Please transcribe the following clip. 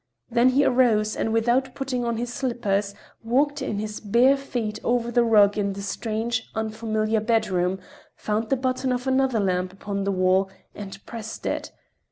Then he arose, and without putting on his slippers, walked in his bare feet over the rug in the strange, unfamiliar bedroom, found the button of another lamp upon the wall and pressed it.